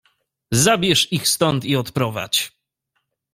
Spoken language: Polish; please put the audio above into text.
"Zabierz ich stąd i odprowadź!"